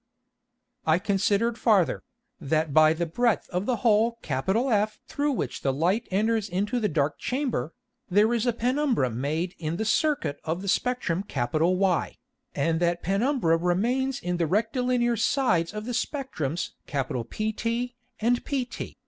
I considered farther, that by the breadth of the hole F through which the Light enters into the dark Chamber, there is a Penumbra made in the Circuit of the Spectrum Y, and that Penumbra remains in the rectilinear Sides of the Spectrums PT and pt.